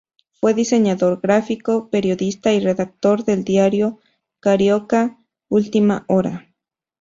Fue diseñador gráfico, periodista y redactor del diario carioca Última Hora.